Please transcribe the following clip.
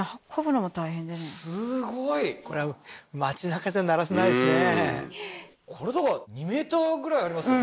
すごいこれは町なかじゃ鳴らせないですね